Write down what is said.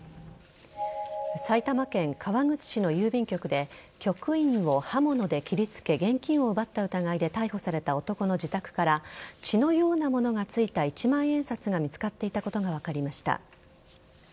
埼玉県川口市の郵便局で局員を刃物で切りつけ現金を奪った疑いで逮捕された男の自宅から血のようなものがついた１万円札が見つかっていたことが分かりました。